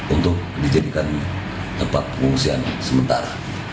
untuk dijadikan tempat pengungsian sementara